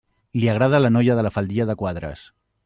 Li agrada la noia de la faldilla de quadres.